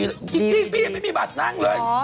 จริงพี่ยังไม่มีบัตรนั่งเลย